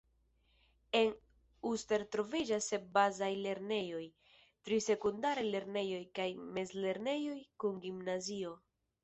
En Uster troviĝas sep bazaj lernejoj, tri sekundaraj lernejoj kaj mezlernejo kun gimnazio.